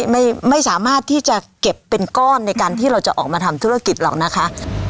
ไม่สามารถที่จะเก็บเป็นก้อนในการที่เราจะออกมาทำธุรกิจหรอกนะคะ